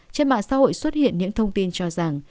trên mạng xã hội xuất hiện những thông tin cho rằng